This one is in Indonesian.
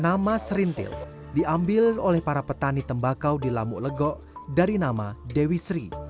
nama serintil diambil oleh para petani tembakau di lamuk legok dari nama dewi sri